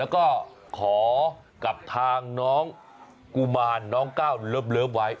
แล้วก็ขอกับทางน้องกุมารน้องก้าวเลิฟไว้